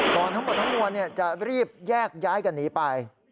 ทั้งหมดทั้งมวลจะรีบแยกย้ายกันหนีไป